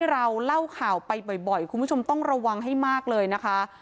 เราเล่าข่าวไปบ่อยคุณผู้ชมต้องระวังให้มากเลยนะคะ